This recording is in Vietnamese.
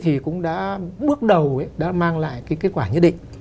thì cũng đã bước đầu đã mang lại cái kết quả nhất định